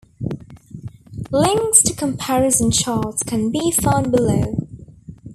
Links to comparison charts can be found below.